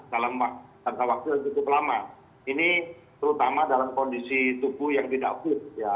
dalam jangka waktu yang cukup lama ini terutama dalam kondisi tubuh yang tidak fit ya